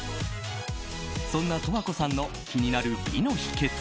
そんな十和子さんの気になる美の秘訣。